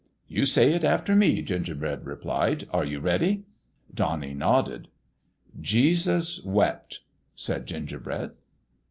" You say it after me," Gingerbread replied. " Are you ready ?" Donnie nodded. "' Jesus wept/ " said Gingerbread.